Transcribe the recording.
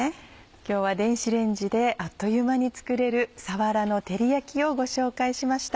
今日は電子レンジであっという間に作れるさわらの照り焼きをご紹介しました。